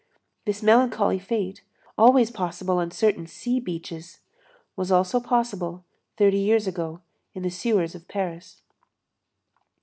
This melancholy fate, always possible on certain sea beaches, was also possible, thirty years ago, in the sewers of Paris.